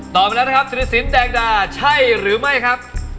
มาแล้วนะครับศิริสินแดงดาใช่หรือไม่ครับ